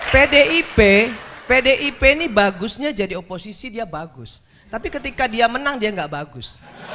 pdip pdip ini bagusnya jadi oposisi dia bagus tapi ketika dia menang dia gak bagus